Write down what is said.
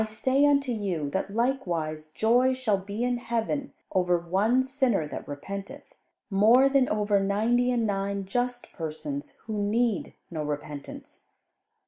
"I say unto you, that likewise joy shall be in heaven over one sinner that repenteth, more than over ninety and nine just persons which need no repentance.